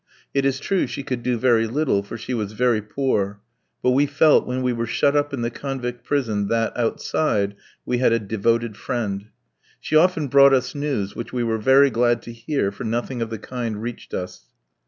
It is true she could do very little, for she was very poor. But we felt when we were shut up in the convict prison that, outside, we had a devoted friend. She often brought us news, which we were very glad to hear, for nothing of the kind reached us.